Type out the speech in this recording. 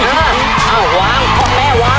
ยิงไปเออยิงไปเร็วยิงเร็วเร็วยิงเออแม่วาง